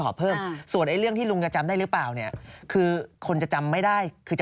อาทิตย์สระกาญว่าก็มีบางอย่างที่ลืมถ้ารู้อะไรจำอะไรได้ก็บอก